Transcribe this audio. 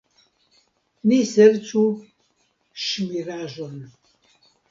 Ni serĉu ŝirmaĵon.